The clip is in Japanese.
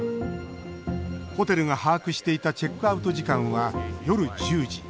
ホテルが把握していたチェックアウト時間は夜１０時。